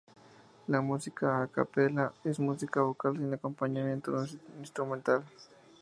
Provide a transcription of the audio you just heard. La música "a cappella" es música vocal sin acompañamiento instrumental.